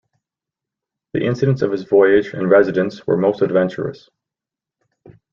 The incidents of his voyage and residence were most adventurous.